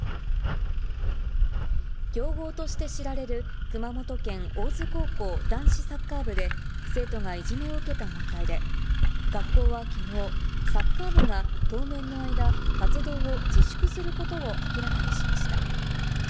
強豪として知られる熊本県大津高校男子サッカー部で生徒がいじめを受けた問題で、学校はきのう、サッカー部が当面の間、ことを明らかにしました。